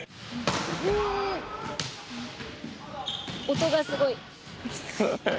音がすごい。